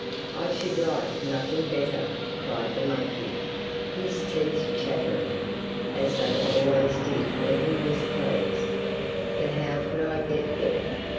'I should like nothing better,' cried the monkey, his teeth chattering, as they always did when he was pleased. 'But how could I get there?